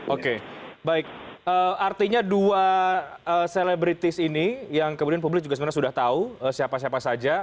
oke baik artinya dua selebritis ini yang kemudian publik juga sebenarnya sudah tahu siapa siapa saja